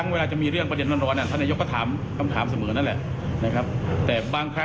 นายกเกษณาจริงค่ะ